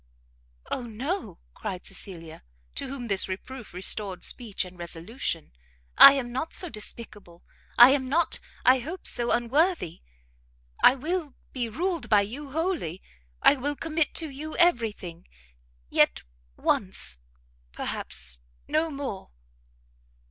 "O no!" cried Cecilia, to whom this reproof restored speech and resolution, "I am not so despicable, I am not, I hope, so unworthy! I will be ruled by you wholly; I will commit to you every thing; yet once, perhaps, no more!"